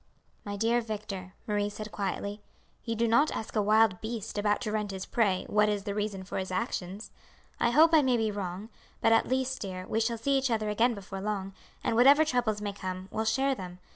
"My dear Victor," Marie said quietly, "you do not ask a wild beast about to rend his prey, what is the reason for his actions. I hope I may be wrong; but at least, dear, we shall see each other again before long, and, whatever troubles may come, will share them.